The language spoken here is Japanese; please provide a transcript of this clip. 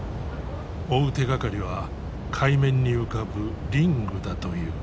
追う手がかりは海面に浮かぶリングだという。